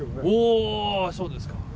おぉそうですか。